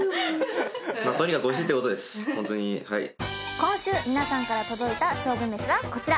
今週皆さんから届いた勝負めしはこちら。